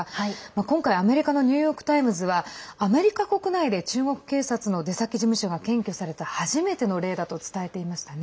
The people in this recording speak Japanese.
今回、アメリカのニューヨーク・タイムズはアメリカ国内で中国警察の出先事務所が検挙された初めての例だと伝えていましたね。